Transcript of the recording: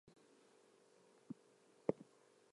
In addition to teaching music, J. L. farmed and sold pianos.